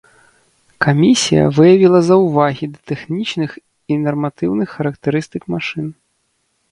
Камісія выявіла заўвагі да тэхнічных і нарматыўных характарыстык машын.